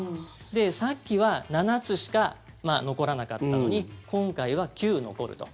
さっきは７つしか残らなかったのに今回は９残ると。